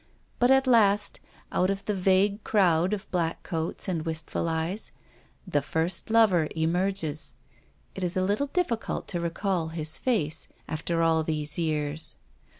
But at last, out of the vague crowd of black coats and wistful eyes, the first lover emerges. It is a little difficult to recall his face, after all these years.